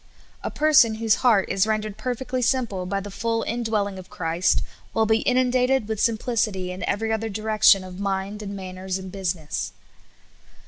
A person whose heart is rendered perfectly simple by the full indwelling of Christ will be inun dated with simplicity in every other direction of mind and manners and business.